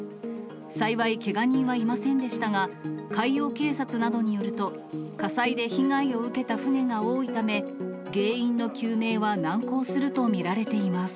幸い、けが人はいませんでしたが、海洋警察などによると、火災で被害を受けた船が多いため、原因の究明は難航すると見られています。